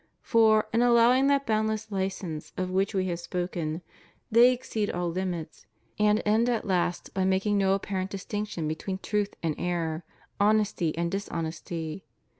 For, in allowing that boundless hcense of which We have spoken, they exceed all limits, and end at last by making no apparent distinction between truth and error, honesty and dishonesty.